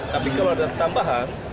tapi kalau ada tambahan